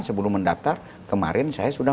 sebelum mendaftar kemarin saya sudah